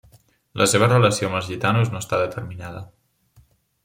La seva relació amb els gitanos no està determinada.